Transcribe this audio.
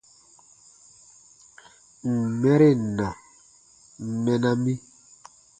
Ǹ n mɛren na, mɛna mi.